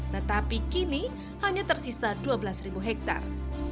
tetapi kini hanya tersisa dua belas hektare